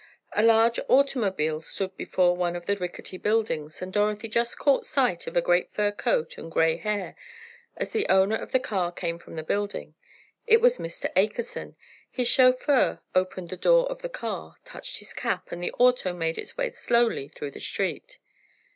A large automobile stood before one of the rickety buildings, and Dorothy just caught sight of a great fur coat and gray hair, as the owner of the car came from the building. It was Mr. Akerson! His chauffeur opened the door of the car, touched his cap, and the auto made its way slowly through the street.